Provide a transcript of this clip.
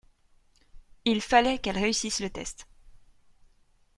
Il fallait qu’elle réussisse le test.